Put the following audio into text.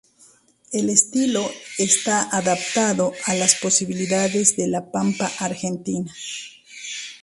El estilo está adaptado a las posibilidades de la Pampa Argentina.